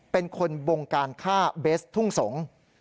เป็นคนบงการฆ่าเบสทุ่งสงศ์